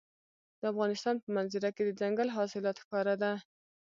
د افغانستان په منظره کې دځنګل حاصلات ښکاره ده.